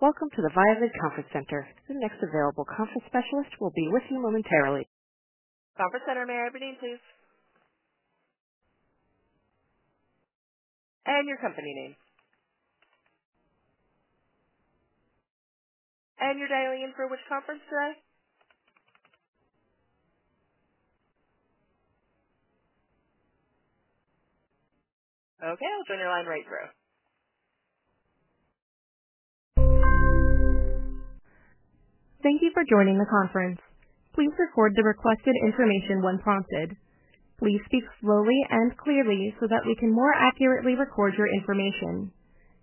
Welcome to the ViaVid Conference Center. The next available conference specialist will be with you momentarily. Conference Center, may I have your name, please? And your company name? And you are dialing in for which conference today? Okay. I'll join your line right now. Thank you for joining the conference. Please record the requested information when prompted. Please speak slowly and clearly so that we can more accurately record your information.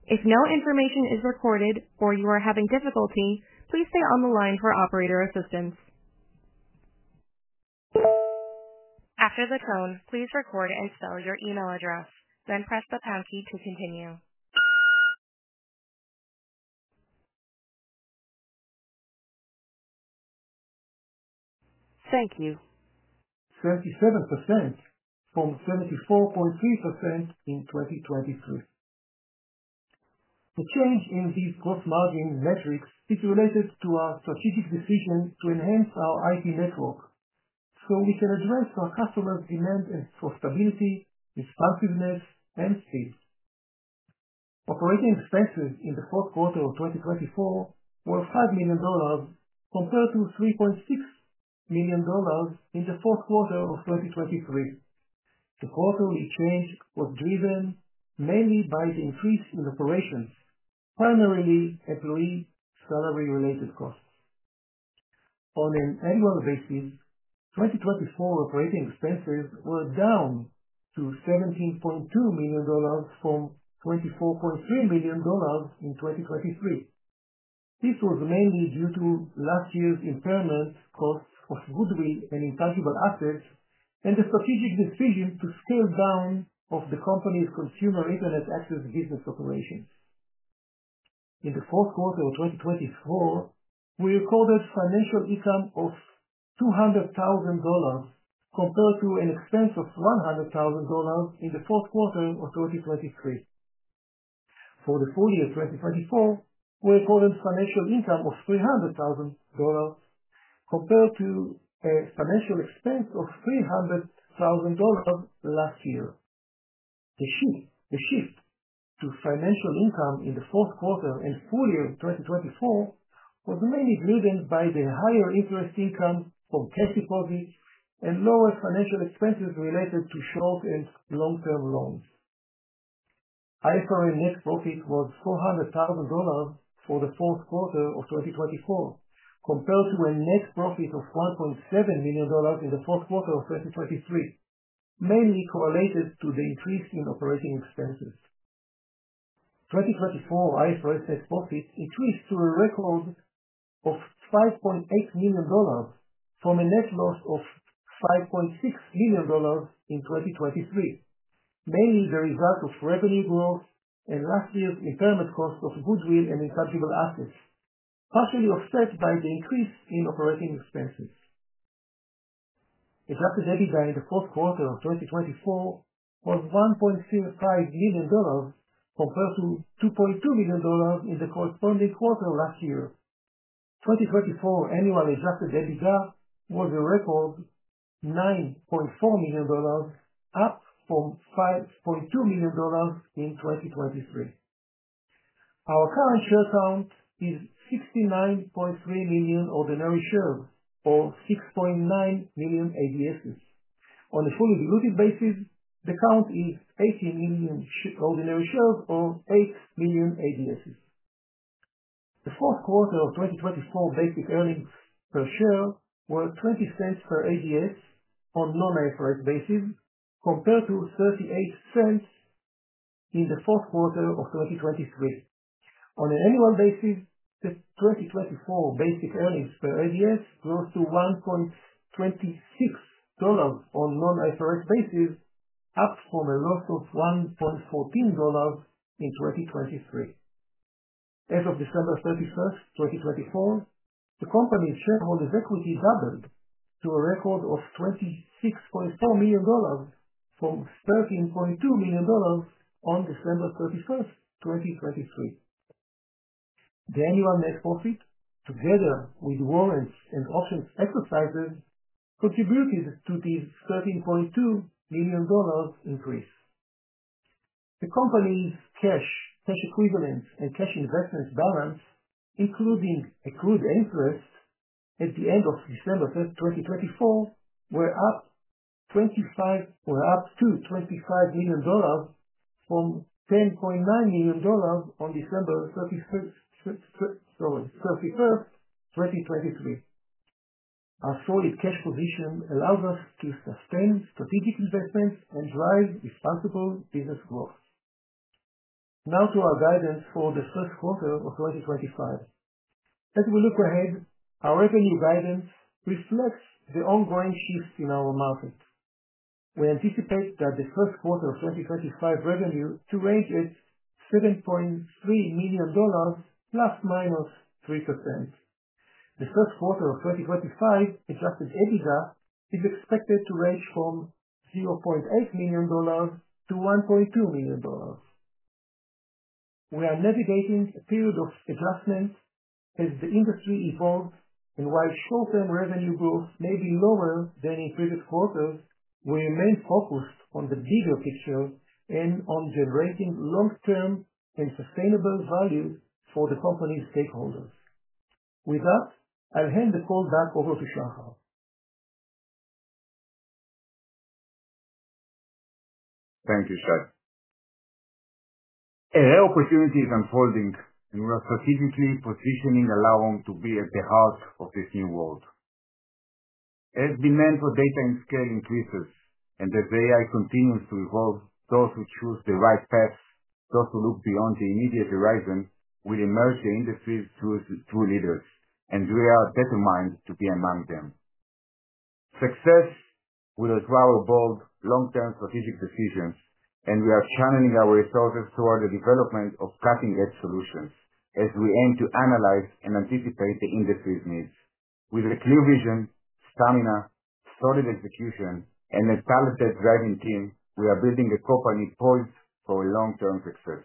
If no information is recorded or you are having difficulty, please stay on the line for operator assistance. After the tone, please record and spell your email address. Then press the pound key to continue. Thank you. 77% from 74.3% in 2023. The change in these gross margin metrics is related to our strategic decision to enhance our IT network so we can address our customers' demand for stability, responsiveness, and speed. Operating expenses in the fourth quarter of 2024 were $5 million compared to $3.6 million in the fourth quarter of 2023. The quarterly change was driven mainly by the increase in operations, primarily employee salary-related costs. On an annual basis, 2024 operating expenses were down to $17.2 million from $24.3 million in 2023. This was mainly due to last year's impairment costs of goodwill and intangible assets and the strategic decision to scale down of the company's consumer internet access business operations. In the fourth quarter of 2024, we recorded financial income of $200,000 compared to an expense of $100,000 in the fourth quarter of 2023. For the full year 2024, we recorded financial income of $300,000 compared to a financial expense of $300,000 last year. The shift to financial income in the fourth quarter and full year 2024 was mainly driven by the higher interest income from cash deposits and lower financial expenses related to short and long-term loans. IFRS net profit was $400,000 for the fourth quarter of 2024 compared to a net profit of $1.7 million in the fourth quarter of 2023, mainly correlated to the increase in operating expenses. 2024 IFRS net profit increased to a record of $5.8 million from a net loss of $5.6 million in 2023, mainly the result of revenue growth and last year's impairment cost of goodwill and intangible assets, partially offset by the increase in operating expenses. Adjusted EBITDA in the fourth quarter of 2024 was $1.5 million compared to $2.2 million in the corresponding quarter last year. 2024 annual adjusted EBITDA was a record $9.4 million, up from $5.2 million in 2023. Our current share count is 69.3 million ordinary shares, or 6.9 million ADSs. On a fully diluted basis, the count is 80 million ordinary shares, or 8 million ADSs. The fourth quarter of 2024 basic earnings per share were $0.20 per ADS on non-IFRS basis, compared to $0.38 in the fourth quarter of 2023. On an annual basis, the 2024 basic earnings per ADS rose to $1.26 on non-IFRS basis, up from a loss of $1.14 in 2023. As of December 31st, 2024, the company's shareholders' equity doubled to a record of $26.4 million from $13.2 million on December 31st, 2023. The annual net profit, together with warrants and options exercises, contributed to this $13.2 million increase. The company's cash equivalents and cash investments balance, including accrued interest at the end of December 2024, were up to $25 million from $10.9 million on December 31st, 2023. Our solid cash position allows us to sustain strategic investments and drive responsible business growth. Now to our guidance for the first quarter of 2025. As we look ahead, our revenue guidance reflects the ongoing shifts in our market. We anticipate that the first quarter of 2025 revenue to range at $7.3 million, ±3%. The first quarter of 2025 adjusted EBITDA is expected to range from $0.8 million-$1.2 million. We are navigating a period of adjustment as the industry evolves and while short-term revenue growth may be lower than in previous quarters, we remain focused on the bigger picture and on generating long-term and sustainable value for the company's stakeholders. With that, I'll hand the call back over to Shachar. Thank you, Shai. AI opportunity is unfolding, and we are strategically positioning Alarum to be at the heart of this new world. As demand for data and scale increases, and as AI continues to evolve, those who choose the right path, those who look beyond the immediate horizon, will emerge the industry thought leaders, and we are determined to be among them. Success will require bold, long-term strategic decisions, and we are channeling our resources toward the development of cutting-edge solutions as we aim to analyze and anticipate the industry's needs. With a clear vision, stamina, solid execution, and a talented driving team, we are building a company poised for long-term success.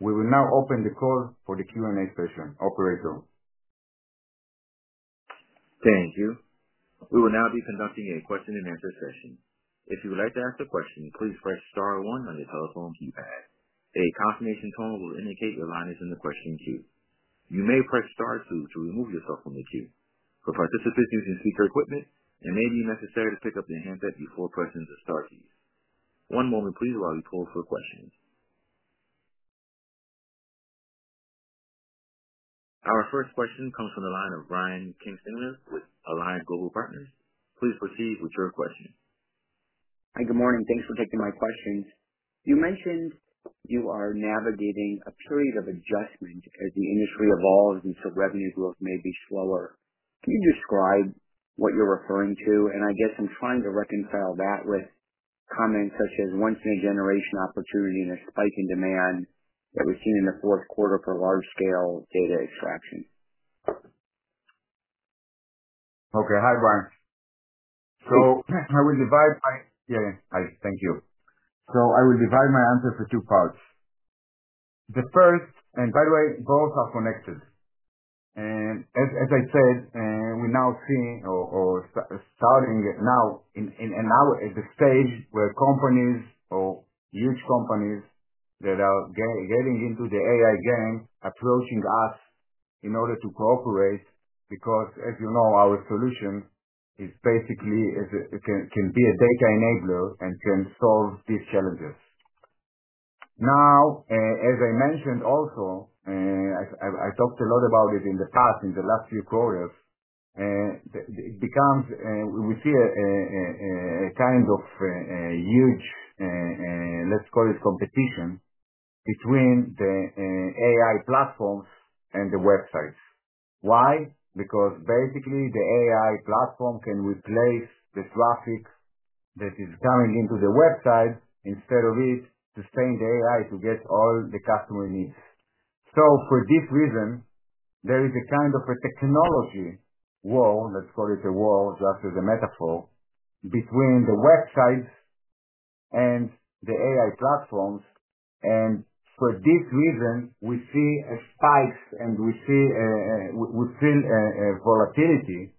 We will now open the call for the Q&A session. Operator. Thank you. We will now be conducting a question-and-answer session. If you would like to ask a question, please press star one on your telephone keypad. A confirmation tone will indicate your line is in the question queue. You may press star two to remove yourself from the queue. For participants using speaker equipment, it may be necessary to pick up the handset before pressing the star keys. One moment, please, while we poll for questions. Our first question comes from the line of Brian Kinstlinger with Alliance Global Partners. Please proceed with your question. Hi, good morning. Thanks for taking my questions. You mentioned you are navigating a period of adjustment as the industry evolves and so revenue growth may be slower. Can you describe what you're referring to? I guess I'm trying to reconcile that with comments such as once-in-a-generation opportunity and a spike in demand that we've seen in the fourth quarter for large-scale data extraction. Okay. Hi, Brian. I will divide my answer for two parts. The first, by the way, both are connected. As I said, we now see or starting now at the stage where companies or huge companies that are getting into the AI game are approaching us in order to cooperate because, as you know, our solution can be a data enabler and can solve these challenges. As I mentioned also, I talked a lot about it in the past, in the last few quarters, we see a kind of huge, let's call it, competition between the AI platforms and the websites. Why? Because basically, the AI platform can replace the traffic that is coming into the website instead of it sustaining the AI to get all the customer needs. For this reason, there is a kind of a technology war, let's call it a war, just as a metaphor, between the websites and the AI platforms. For this reason, we see spikes and we feel volatility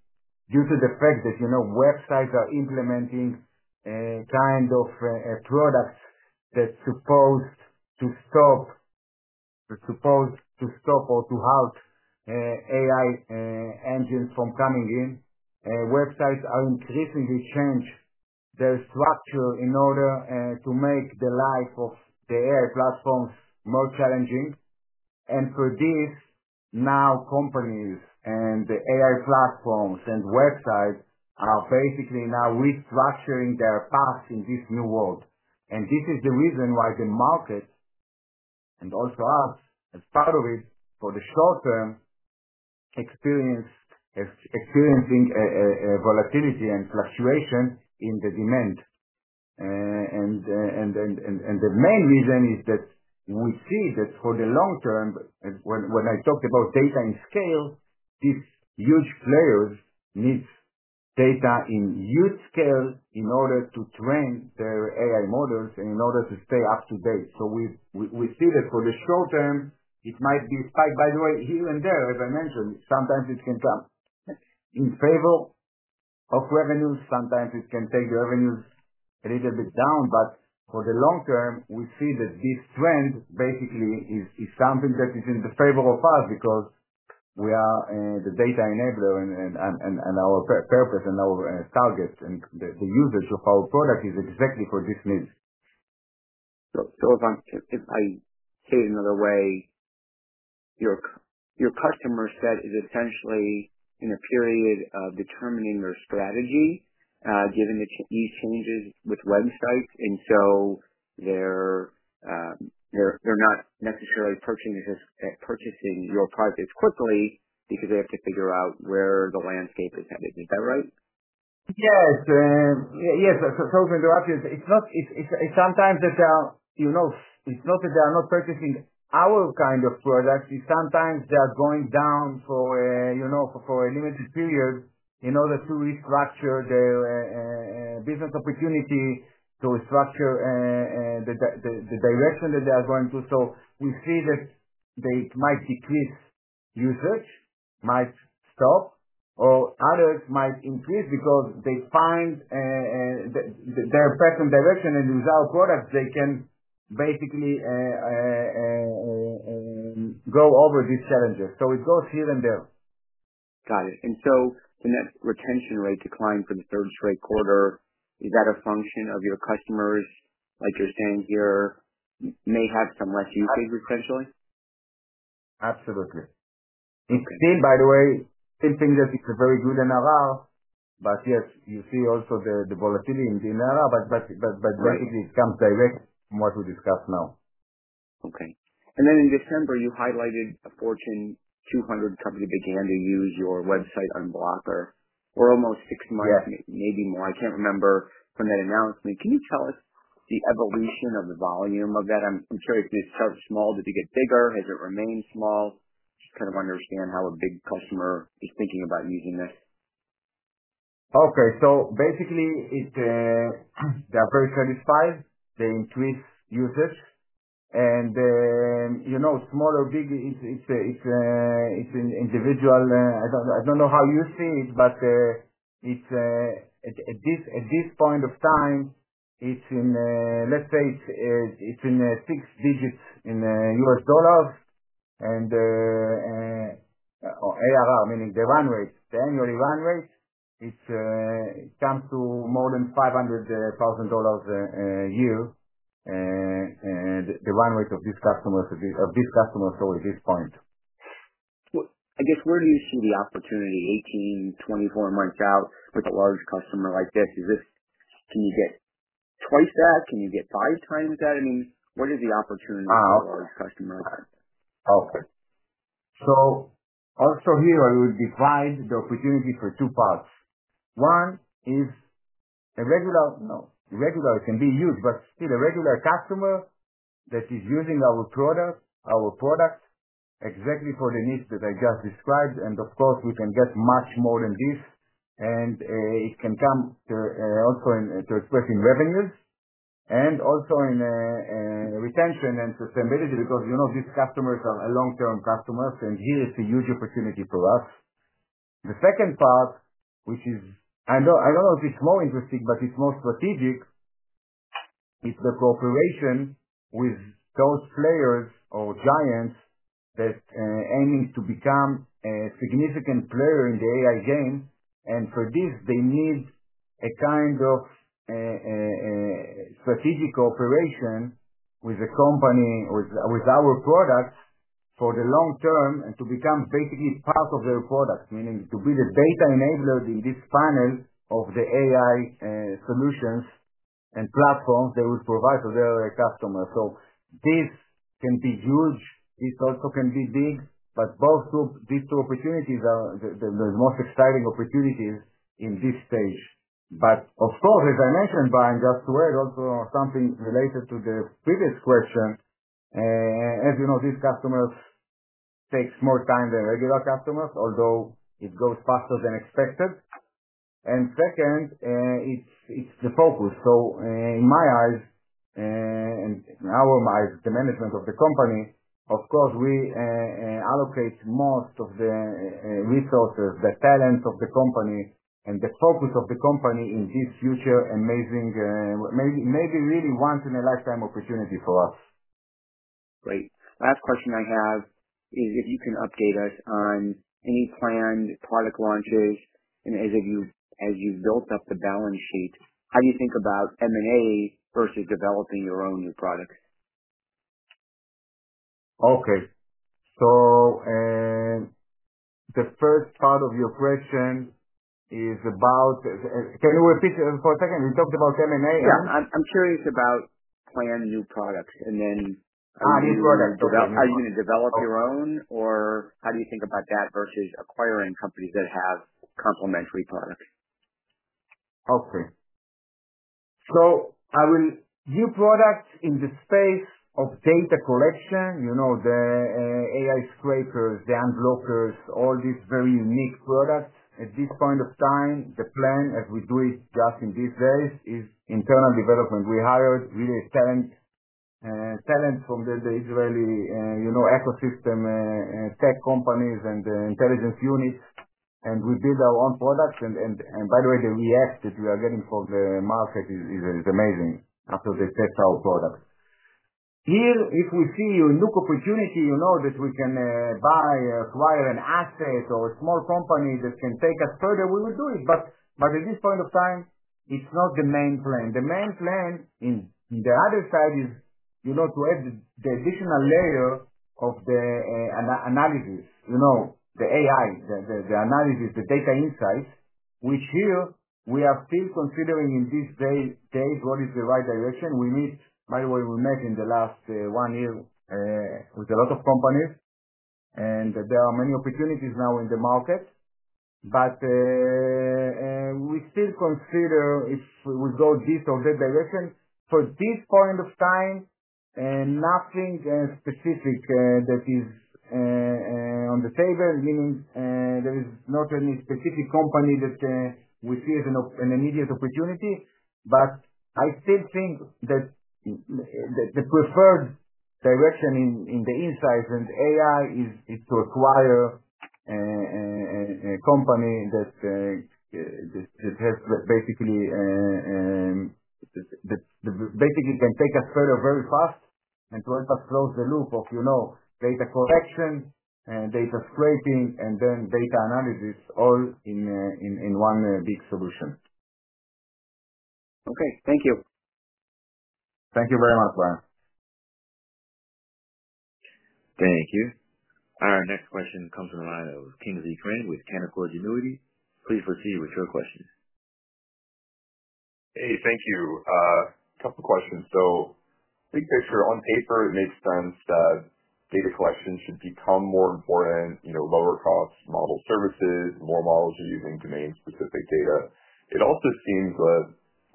due to the fact that websites are implementing kind of products that are supposed to stop or to halt AI engines from coming in. Websites are increasingly changing their structure in order to make the life of the AI platforms more challenging. For this, now companies and the AI platforms and websites are basically now restructuring their paths in this new world. This is the reason why the market, and also us as part of it, for the short term, experiencing volatility and fluctuation in the demand. The main reason is that we see that for the long term, when I talked about data and scale, these huge players need data in huge scale in order to train their AI models and in order to stay up to date. We see that for the short term, it might be a spike. By the way, here and there, as I mentioned, sometimes it can come in favor of revenues. Sometimes it can take the revenues a little bit down. For the long term, we see that this trend basically is something that is in the favor of us because we are the data enabler and our purpose and our target and the usage of our product is exactly for this need. If I say it another way, your customer set is essentially in a period of determining their strategy given these changes with websites. They are not necessarily purchasing your product as quickly because they have to figure out where the landscape is headed. Is that right? Yes. Yes. Sorry for interrupting. Sometimes they are—not that they are not purchasing our kind of products. Sometimes they are going down for a limited period in order to restructure their business opportunity, to restructure the direction that they are going to. We see that they might decrease usage, might stop, or others might increase because they find their pattern direction, and with our products, they can basically go over these challenges. It goes here and there. Got it. The net retention rate decline for the third straight quarter, is that a function of your customers, like you're saying here, may have some less usage essentially? Absolutely. Still, by the way, same thing, that is a very good NRR, but yes, you see also the volatility in the NRR. Basically, it comes direct from what we discussed now. Okay. In December, you highlighted a Fortune 200 company began to use your Website Unblocker for almost six months, maybe more. I can't remember from that announcement. Can you tell us the evolution of the volume of that? I'm curious, did it start small? Did it get bigger? Has it remained small? Just kind of understand how a big customer is thinking about using this. Okay. So basically, they are very satisfied. They increase usage. And small or big, it's an individual—I don't know how you see it, but at this point of time, let's say it's in six digits in U.S. dollars and ARR, meaning the run rate, the annual run rate, it comes to more than $500,000 a year, the run rate of this customer at this point. I guess where do you see the opportunity 18, 24 months out with a large customer like this? Can you get twice that? Can you get 5x that? I mean, what is the opportunity for a large customer like that? Okay. Also here, I will divide the opportunity into two parts. One is a regular—no, regular can be huge, but still a regular customer that is using our product exactly for the needs that I just described. Of course, we can get much more than this. It can come also to express in revenues and also in retention and sustainability because these customers are long-term customers, and here is a huge opportunity for us. The second part, which is—I do not know if it is more interesting, but it is more strategic—it is the cooperation with those players or giants that are aiming to become a significant player in the AI game. For this, they need a kind of strategic cooperation with a company with our products for the long term and to become basically part of their product, meaning to be the data enabler in this panel of the AI solutions and platforms they will provide to their customers. This can be huge. This also can be big. Both these two opportunities are the most exciting opportunities in this stage. Of course, as I mentioned, Brian, just to add also something related to the previous question, as you know, this customer takes more time than regular customers, although it goes faster than expected. Second, it's the focus. In my eyes, and in our eyes, the management of the company, of course, we allocate most of the resources, the talent of the company, and the focus of the company in this future amazing, maybe really once-in-a-lifetime opportunity for us. Great. Last question I have is if you can update us on any planned product launches. As you've built up the balance sheet, how do you think about M&A versus developing your own new products? Okay. The first part of your question is about—can you repeat for a second? You talked about M&A and. Yeah. I'm curious about planned new products. Then. New products. Are you going to develop your own, or how do you think about that versus acquiring companies that have complementary products? Okay. New products in the space of data collection, the AI scrapers, the unblockers, all these very unique products at this point of time, the plan as we do it just in these days is internal development. We hired really talent from the Israeli ecosystem, tech companies, and intelligence units, and we build our own products. By the way, the reaction that we are getting from the market is amazing after they test our product. Here, if we see a new opportunity that we can buy, acquire an asset or a small company that can take us further, we will do it. At this point of time, it's not the main plan. The main plan in the other side is to add the additional layer of the analysis, the AI, the analysis, the data insights, which here we are still considering in these days, what is the right direction. By the way, we met in the last one year with a lot of companies, and there are many opportunities now in the market. We still consider if we go this or that direction. For this point of time, nothing specific that is on the table, meaning there is not any specific company that we see as an immediate opportunity. I still think that the preferred direction in the insights and AI is to acquire a company that basically can take us further very fast and to help us close the loop of data collection, data scraping, and then data analysis, all in one big solution. Okay. Thank you. Thank you very much, Brian. Thank you. Our next question comes from the line of Kingsley Crane with Canaccord Genuity. Please proceed with your question. Hey, thank you. A couple of questions. I think that on paper, it makes sense that data collection should become more important, lower-cost model services, more models using domain-specific data. It also seems that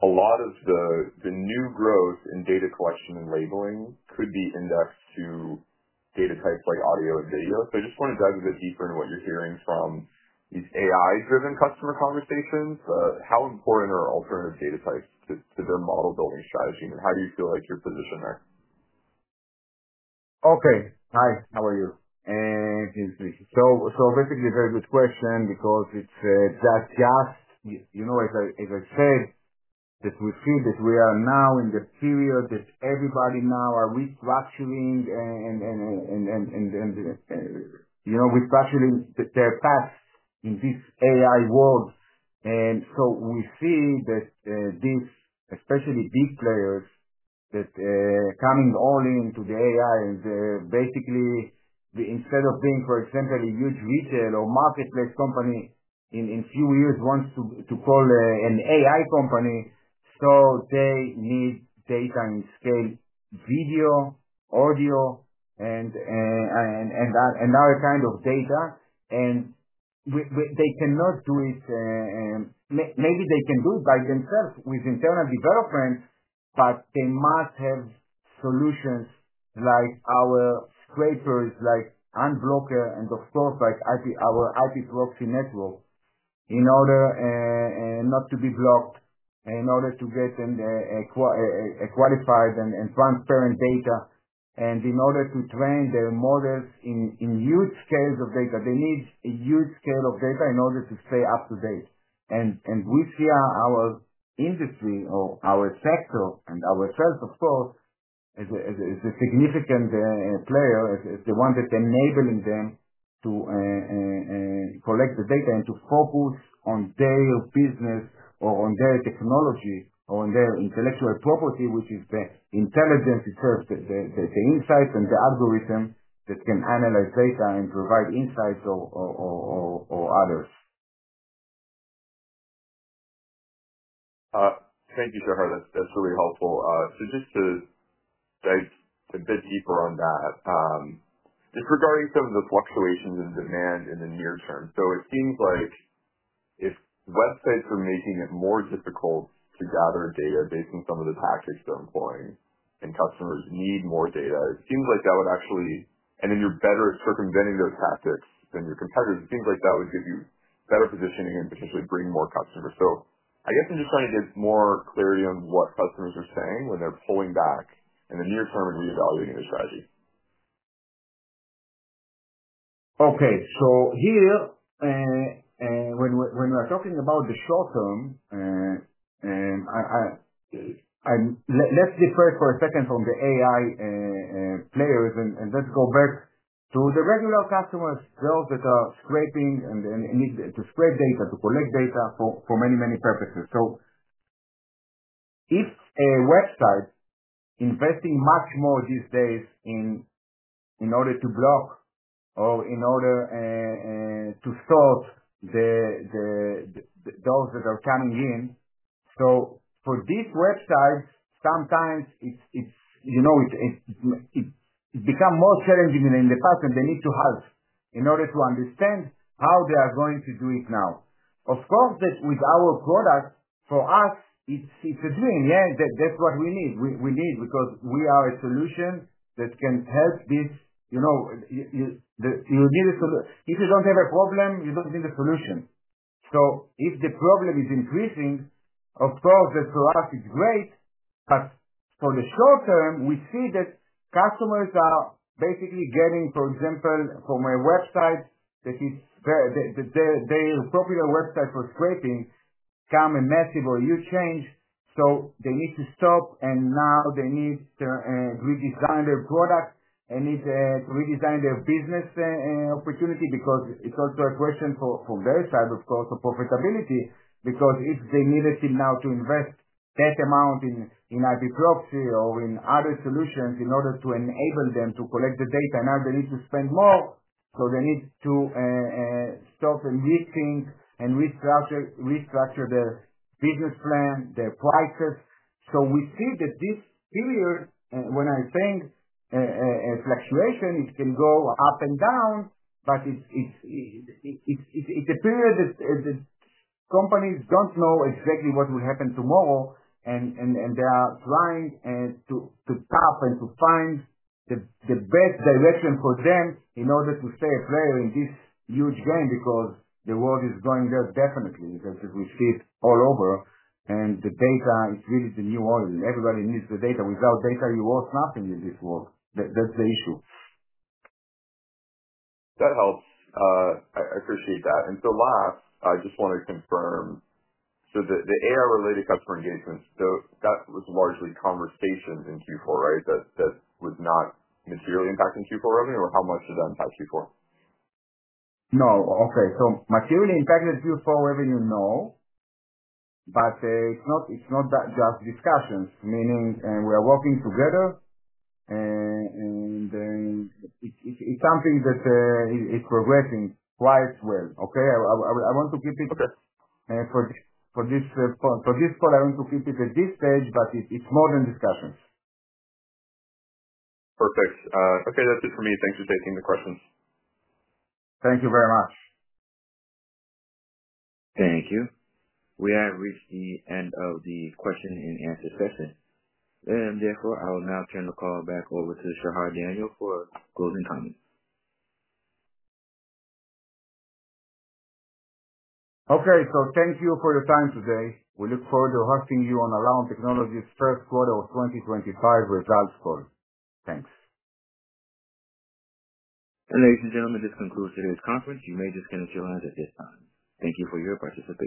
a lot of the new growth in data collection and labeling could be indexed to data types like audio and video. I just want to dive a bit deeper into what you're hearing from these AI-driven customer conversations. How important are alternative data types to their model-building strategy? How do you feel like your position there? Okay. Hi. How are you? Basically, a very good question because it's just, as I said, that we feel that we are now in the period that everybody now is restructuring and restructuring their paths in this AI world. We see that these, especially big players, that are coming all into the AI, basically, instead of being, for example, a huge retail or marketplace company, in a few years wants to call an AI company. They need data in scale, video, audio, and other kinds of data. They cannot do it. Maybe they can do it by themselves with internal development, but they must have solutions like our scrapers, like Website Unblocker, and of course, our IP proxy network in order not to be blocked, in order to get them qualified and transparent data, and in order to train their models in huge scales of data. They need a huge scale of data in order to stay up to date. We see our industry or our sector and ourselves, of course, as a significant player, as the one that's enabling them to collect the data and to focus on their business or on their technology or on their intellectual property, which is the intelligence itself, the insights and the algorithm that can analyze data and provide insights or others. Thank you, Shachar. That's really helpful. Just to dive a bit deeper on that, just regarding some of the fluctuations in demand in the near term. It seems like if websites are making it more difficult to gather data based on some of the tactics they're employing and customers need more data, it seems like that would actually, if you're better at circumventing those tactics than your competitors, it seems like that would give you better positioning and potentially bring more customers. I guess I'm just trying to get more clarity on what customers are saying when they're pulling back in the near term and reevaluating their strategy. Okay. Here, when we are talking about the short term, let's differ for a second from the AI players, and let's go back to the regular customers themselves that are scraping and need to scrape data, to collect data for many, many purposes. If a website is investing much more these days in order to block or in order to sort those that are coming in, for these websites, sometimes it becomes more challenging than in the past, and they need to halt in order to understand how they are going to do it now. Of course, with our product, for us, it's a dream. Yeah, that's what we need. We need because we are a solution that can help this. You need a solution. If you don't have a problem, you don't need a solution. If the problem is increasing, of course, for us, it's great. For the short term, we see that customers are basically getting, for example, from a website that is their popular website for scraping, a massive or huge change. They need to stop, and now they need to redesign their product. They need to redesign their business opportunity because it's also a question from their side, of course, of profitability. If they needed now to invest that amount in IP proxy or in other solutions in order to enable them to collect the data, now they need to spend more. They need to stop and rethink and restructure their business plan, their prices. We see that this period, when I'm saying fluctuation, it can go up and down, but it's a period that companies don't know exactly what will happen tomorrow. They are trying to tap and to find the best direction for them in order to stay a player in this huge game because the world is going there definitely, as we see it all over. The data is really the new oil. Everybody needs the data. Without data, you owe nothing in this world. That's the issue. That helps. I appreciate that. Last, I just want to confirm. The AI-related customer engagements, that was largely conversations in Q4, right? That was not materially impacting Q4 revenue, or how much did that impact Q4? No. Okay. So materially impacted Q4 revenue, no. It is not just discussions, meaning we are working together. It is something that is progressing quite well. Okay? I want to keep it for this point. For this point, I want to keep it at this stage, but it is more than discussions. Perfect. Okay. That's it for me. Thanks for taking the questions. Thank you very much. Thank you. We have reached the end of the question-and-answer session. I will now turn the call back over to Shachar Daniel for closing comments. Thank you for your time today. We look forward to hosting you on Alarum Technologies' first quarter of 2025 results call. Thanks. Ladies and gentlemen, this concludes today's conference. You may disconnect your lines at this time. Thank you for your participation.